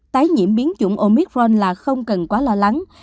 tái nhiễm biến chủng omicron là không cần quá lo lắng